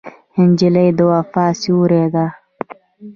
نجلۍ د وفا سیوری ده.